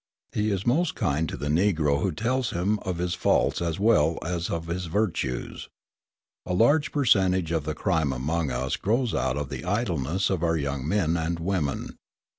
He is most kind to the Negro who tells him of his faults as well as of his virtues. A large percentage of the crime among us grows out of the idleness of our young men and women.